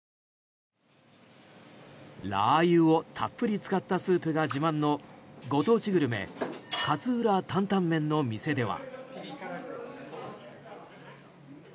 ラー油をたっぷり使ったスープが自慢のご当地グルメ勝浦タンタンメンの店では。